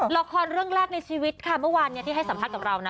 ละครเรื่องแรกในชีวิตค่ะเมื่อวานที่ให้สัมภาษณ์กับเรานะ